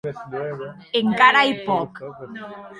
Encara ei pòc.